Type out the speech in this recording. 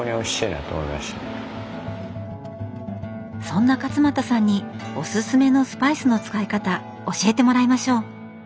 そんな勝又さんにおすすめのスパイスの使い方教えてもらいましょう。